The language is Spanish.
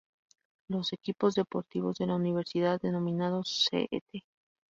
Los equipos deportivos de la universidad, denominados St.